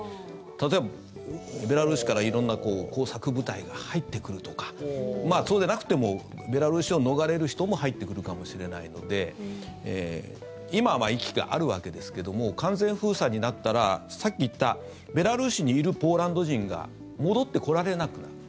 例えばベラルーシから色んな工作部隊が入ってくるとかそうでなくてもベラルーシを逃れる人も入ってくるかもしれないので今は行き来があるわけですけども完全封鎖になったらさっき言ったベラルーシにいるポーランド人が戻ってこられなくなる。